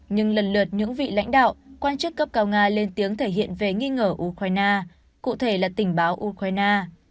nhưng lần lượt những vị lãnh đạo quan chức cấp cao nga lên tiếng thể hiện về nghi ngờ ukraine cụ thể là tình báo ukraine